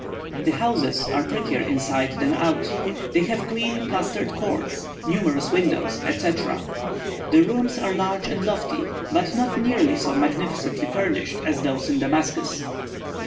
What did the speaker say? The houses are prettier inside than out; they have clean plastered courts, numerous windows, etc. The rooms are large and lofty, but not nearly so magnificently furnished as those in Damascus.